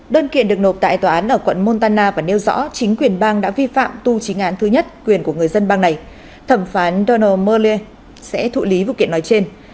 đơn kiện được nộp tại tòa án ở quận montana và nêu rõ chính quyền bang đã vi phạm tu chính án thứ nhất quyền của người dân bang này thẩm phán donao morlder sẽ thụ lý vụ kiện nói trên